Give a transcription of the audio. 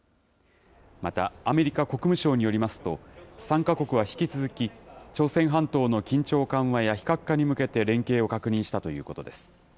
また、アメリカ国務省によりますと、３か国は引き続き、朝鮮半島の緊張緩和や非核化に向けて連携を確認したということです。